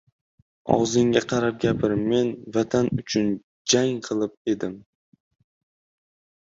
— Og‘zingga qarab gapir, men vatan uchun jang qilib edim!